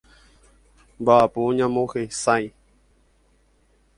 Mba'apo ñanemohesãi.